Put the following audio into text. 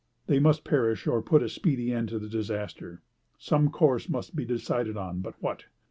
They must perish or put a speedy end to the disaster; some course must be decided on; but what?